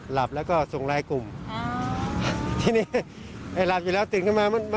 หลับแล้วก็ส่งรายกลุ่มที่นี่ไอ้หลับอยู่แล้วตื่นมา